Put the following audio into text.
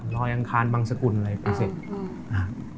รอยอังคารบางสกุลไรก็ไปเสร็จ